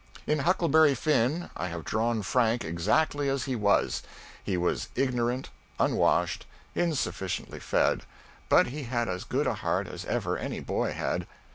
In "Huckleberry Finn" I have drawn Frank exactly as he was. He was ignorant, unwashed, insufficiently fed; but he had as good a heart as ever any boy had.